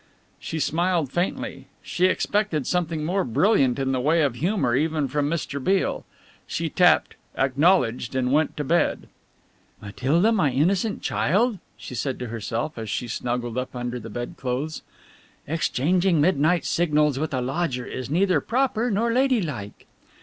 She smiled faintly. She expected something more brilliant in the way of humour even from Mr. Beale. She tapped "acknowledged" and went to bed. "Matilda, my innocent child," she said to herself, as she snuggled up under the bed clothes, "exchanging midnight signals with a lodger is neither proper nor lady like."